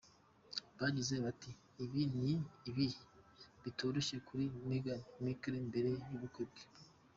Bagize bati: “Ibi ni ibihe bitoroshye kuri Meghan Markle mbere y’ubukwe bwe.